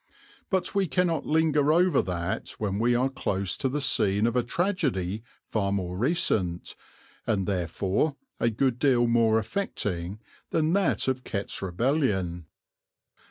But we cannot linger over that when we are close to the scene of a tragedy far more recent, and therefore a good deal more affecting, than that of Kett's Rebellion.